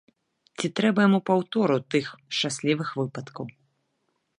Ці трэба яму паўтору тых шчаслівых выпадкаў?